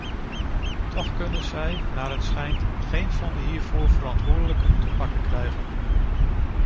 Toch kunnen zij, naar het schijnt, geen van de hiervoor verantwoordelijken te pakken krijgen.